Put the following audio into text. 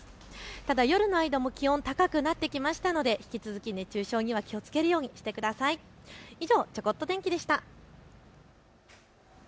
ただ夜の間も気温高くなってきたので引き続き熱中症には気をつけるようにしてください。以上ちょこっと天気でした。